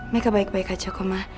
mereka baik baik aja kok mama